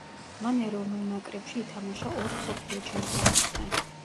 მან ეროვნულ ნაკრებში ითამაშა ორ მსოფლიო ჩემპიონატზე.